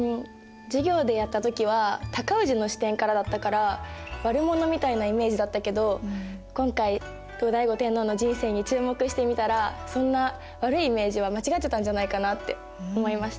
授業でやった時は尊氏の視点からだったから悪者みたいなイメージだったけど今回後醍醐天皇の人生に注目してみたらそんな悪いイメージは間違ってたんじゃないかなって思いました。